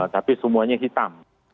tapi semuanya hitam